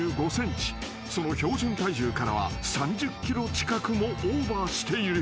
［その標準体重からは３０ｋｇ近くもオーバーしている］